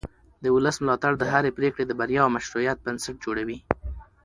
د ولس ملاتړ د هرې پرېکړې د بریا او مشروعیت بنسټ جوړوي